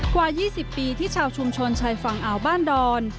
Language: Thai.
กว่า๒๐ปีที่ชาวชุมชนชายฝั่งอ่าวบ้านดอน